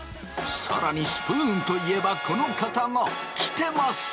更にスプーンといえばこの方がキテます！